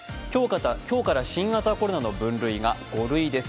今日から新型コロナの分類が５類です。